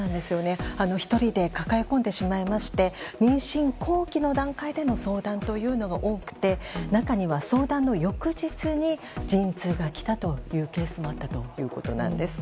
１人で抱え込んでしまいまして妊娠後期の段階での相談というのが多くて中には相談の翌日に陣痛がきたというケースもあったということです。